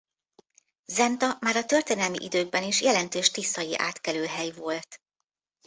Zenta már a történelmi időkben is jelentős tiszai átkelőhely volt.